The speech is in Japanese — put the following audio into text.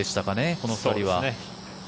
この２人は。